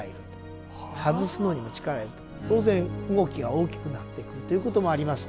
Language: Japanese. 当然動きが大きくなってくるということもありまして